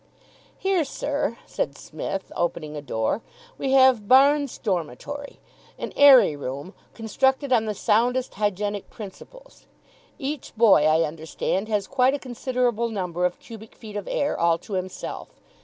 "Here, sir," said Psmith, opening a door, "we have Barnes' dormitory. An airy room, constructed on the soundest hygienic principles. Each boy, I understand, has quite a considerable number of cubic feet of air all to himself.